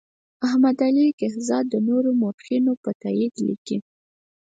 احمد علي کهزاد د نورو مورخینو په تایید لیکي.